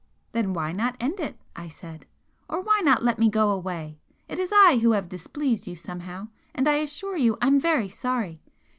"Then why not end it?" I said "Or why not let me go away? It is I who have displeased you somehow, and I assure you I'm very sorry!